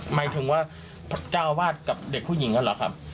หมายถึงว่าเจ้าอาวาสกับเด็กผู้หญิงนั่นเหรอครับ